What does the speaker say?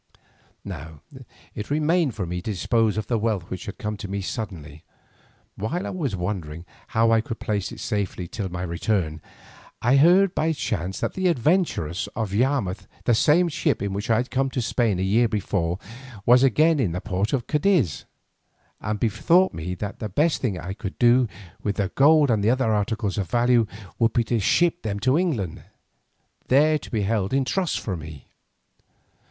Now it remained for me to dispose of the wealth which had come to me suddenly. While I was wondering how I could place it in safety till my return, I heard by chance that the "Adventuress" of Yarmouth, the same ship in which I had come to Spain a year before, was again in the port of Cadiz, and I bethought me that the best thing I could do with the gold and other articles of value would be to ship them to England, there to be held in trust for me.